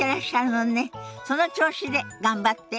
その調子で頑張って。